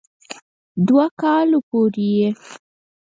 دوؤ کالو پورې ئې